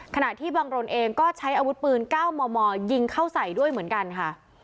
ขณะที่บังรนเองก็ใช้อาวุธปืน๙มมยิงเข้าใส่ด้วยเหมือนกันค่ะ